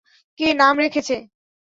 নাম কে রেখেছে?